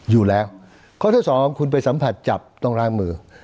อยู่แล้วข้อที่สองคุณไปสัมผัสจับต้องล้างมือ